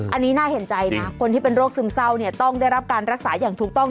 อันนี้น่าเห็นใจนะคนที่เป็นโรคซึมเศร้าเนี่ยต้องได้รับการรักษาอย่างถูกต้อง